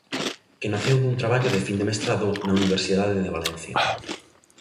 Que naceu dun traballo de fin de mestrado na Universidade de Valencia.